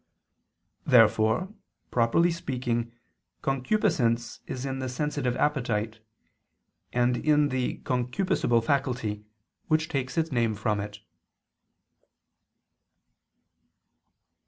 Therefore, properly speaking, concupiscence is in the sensitive appetite, and in the concupiscible faculty, which takes its name from it.